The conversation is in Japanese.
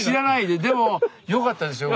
でもよかったですよ